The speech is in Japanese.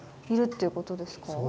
いるっていうことですか？